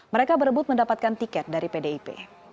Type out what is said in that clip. mereka berebut mendapatkan tiket dari pdip